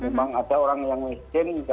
memang ada orang yang miskin